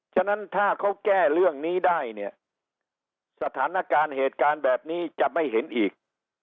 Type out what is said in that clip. ฉะนั้นถ้าเขาแก้เรื่องนี้ได้เนี่ยสถานการณ์เหตุการณ์แบบนี้จะไม่เห็นอีก